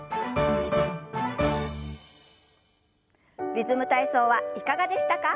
「リズム体操」はいかがでしたか？